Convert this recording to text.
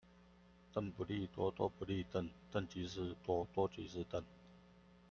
鄧不利多，多不利鄧。鄧即是多，多即是鄧